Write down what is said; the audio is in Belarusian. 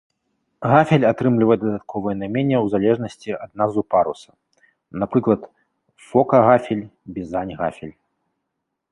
Гафель атрымлівае дадатковае найменне ў залежнасці ад назвы паруса, напрыклад, фока-гафель, бізань-гафель.